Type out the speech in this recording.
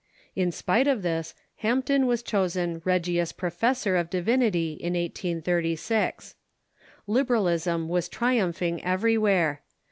In spite of this, Hampden was chosen Regius Professor of Di vinity in 1830, Liberalism was triumphing everywhere.